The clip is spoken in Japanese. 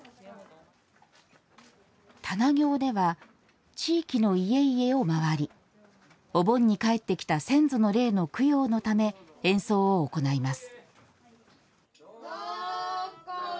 棚経では、地域の家々を回りお盆に帰ってきた先祖の霊の供養のため、演奏を行います。